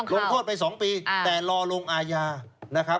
ลงโทษไป๒ปีแต่รอลงอาญานะครับ